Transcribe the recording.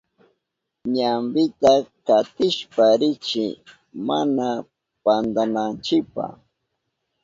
Ñampita katishpa rinchi mana pantananchipa.